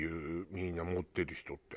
みんな持ってる人って。